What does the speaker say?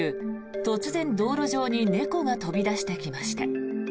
突然、道路上に猫が飛び出してきました。